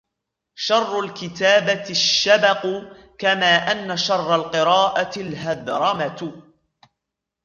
شَرُّ الْكِتَابَةِ الشَّبَقُ كَمَا أَنَّ شَرَّ الْقِرَاءَةِ الْهَذْرَمَةُ